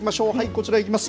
こちらいきます。